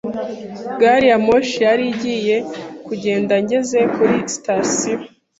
Gari ya moshi yari igiye kugenda ngeze kuri sitasiyo.